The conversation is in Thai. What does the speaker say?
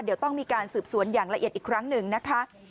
เดี๋ยวต้องมีการสืบสวนอย่างละเอียดอีกครั้งหนึ่งนะคะ